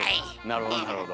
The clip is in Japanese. なるほどなるほど。